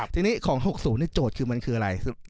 ทีนี้ของ๖ศูนย์โจทย์มันคืออะไร